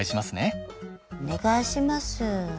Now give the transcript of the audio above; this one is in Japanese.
お願いします。